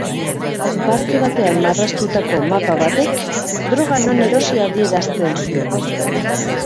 Parke batean marraztutako mapa batek droga non erosi adierazten zuen.